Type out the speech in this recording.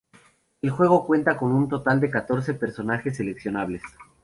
El juego cuenta con un total de catorce personajes seleccionables.